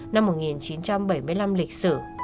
năm một nghìn chín trăm bảy mươi năm lịch sử